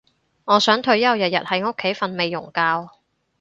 我想退休日日喺屋企瞓美容覺